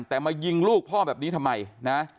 แต่มายิงลูกพ่อแบบนี้ทำไมนะ